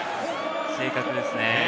正確ですね。